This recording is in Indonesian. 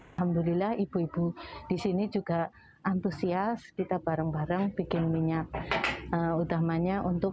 alhamdulillah ibu ibu di sini juga antusias kita bareng bareng bikin minyak utamanya untuk